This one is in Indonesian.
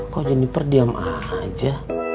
kok jennifer diam aja